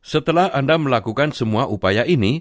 setelah anda melakukan semua upaya ini